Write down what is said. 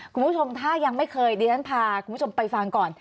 คุณผู้ชมถ้ายังไม่เคยดิฉันพาคุณผู้ชมไปฟังก่อน